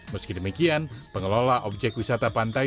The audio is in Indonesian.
meski demikian pengelola objek wisata pantai